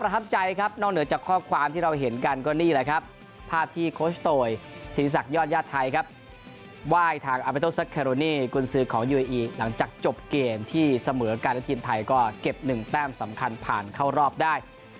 โตยทีมศักดิ์ยอดญาติไทยครับไหว้ทางอเมโตซักแคโรนีกุลสือของยูเอียีหลังจากจบเกมที่เสมอกันทีมไทยก็เก็บหนึ่งแต้มสำคัญผ่านเข้ารอบได้